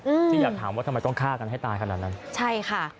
อืมที่อยากถามว่าทำไมต้องฆ่ากันให้ตายขนาดนั้นใช่ค่ะ